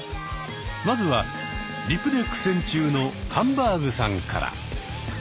まずはリプで苦戦中のハンバーグさんから。